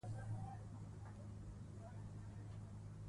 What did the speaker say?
ښوونځی نجونې د روښانه بحثونو عادت پالي.